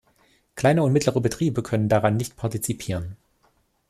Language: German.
Kleine und mittlere Betriebe können daran nicht partizipieren.